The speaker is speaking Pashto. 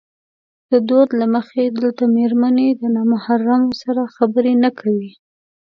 د دود له مخې دلته مېرمنې د نامحرمو سره خبرې نه کوي.